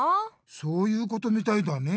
そういうことみたいだねえ。